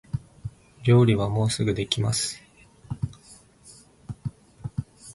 料理はもうすぐできます